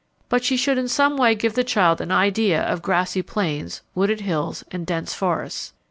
But she should in some way give the child an idea of grassy plains, wooded hills, and dense forests.